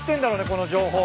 この情報。